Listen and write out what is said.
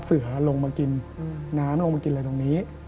เสือลงมากินน้ำลงมากินอะไรตรงนี้